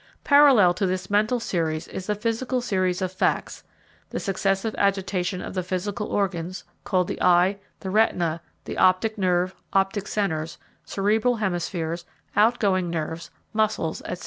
Parallel to this mental series is the physical series of facts, the successive agitation of the physical organs, called the eye, the retina, the optic nerve, optic centres, cerebral hemispheres, outgoing nerves, muscles, &c.